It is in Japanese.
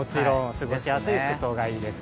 過ごしやすい服装がいいです。